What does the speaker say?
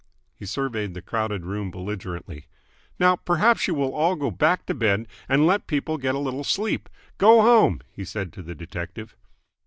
He surveyed the crowded room belligerently. "Now perhaps you will all go back to bed and let people get a little sleep. Go home!" he said to the detective.